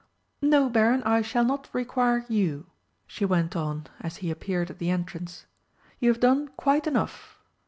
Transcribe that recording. "No, Baron, I shall not require you," she went on, as he appeared at the entrance. "You have done quite enough."